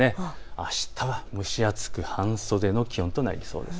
あしたは蒸し暑く半袖の気温となりそうです。